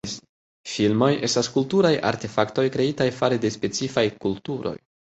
Filmoj estas kulturaj artefaktoj kreitaj fare de specifaj kulturoj.